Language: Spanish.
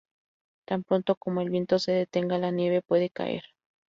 Tan pronto como el viento se detenga, la nieve puede caer.